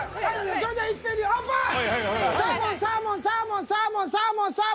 それでは一斉にオープン！